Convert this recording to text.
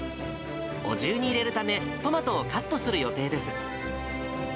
お重に入れるため、トマトをカットする予定です。